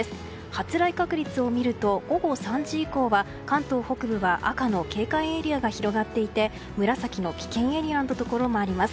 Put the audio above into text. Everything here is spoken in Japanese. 発雷確率を見ると午後３時以降は関東北部は赤の警戒エリアが広がっていて紫の危険エリアのところもあります。